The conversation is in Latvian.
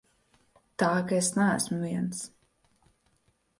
Tā ka es neesmu viens.